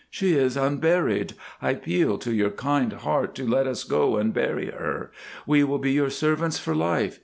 "She is unburied. I appeal to your kind heart to let us go and bury her. We will be your servants for life.